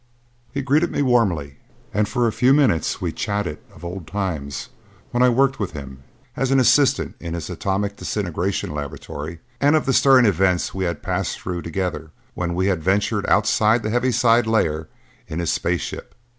He greeted me warmly and for a few minutes we chatted of old times when I worked with him as an assistant in his atomic disintegration laboratory and of the stirring events we had passed through together when we had ventured outside the heaviside layer in his space ship.